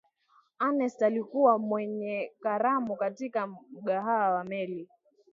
ernest alikuwa kwenye karamu katika mgahawa wa meli